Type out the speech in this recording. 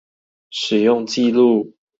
使用紀錄